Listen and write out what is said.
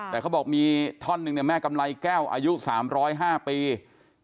แต่เขาบอกมีท่อนึงแม่กำไรแก้วอายุ๓๐๕ปี